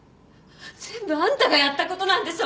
全部あんたがやった事なんでしょ？